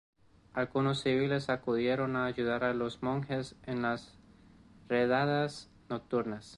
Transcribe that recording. Algunos civiles acudieron a ayudar a los monjes en las redadas nocturnas.